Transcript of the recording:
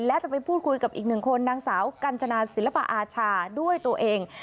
และจะไปพูดคุยกับอีกหนึ่งคนนางสาวกัญจนาศิลปอาชาด้วยตัวเอง